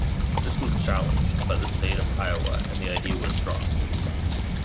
This was challenged by the state of Iowa, and the idea was dropped.